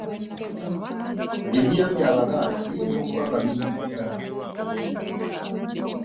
Ebiyambye Abaganda biyinza okuba nga bingi ddala.